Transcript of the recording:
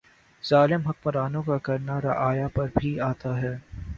ظالم حکمرانوں کا کرنا رعایا پہ بھی آتا ھے